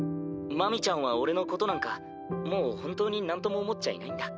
マミちゃんは俺のことなんかもう本当になんとも思っちゃいないんだ。